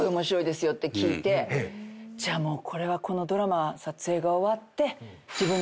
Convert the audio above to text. じゃあもうこれはこのドラマ撮影が終わって。